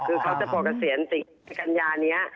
คือเขาจะโปรกเงินเสียงติดแต่กันยานี้